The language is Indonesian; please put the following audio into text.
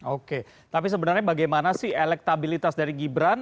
oke tapi sebenarnya bagaimana sih elektabilitas dari gibran